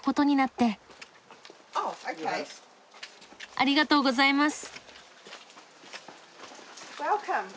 ありがとうございます。